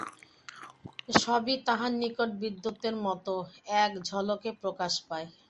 সবই তাহার নিকট বিদ্যুতের মত এক ঝলকে প্রকাশ পায়।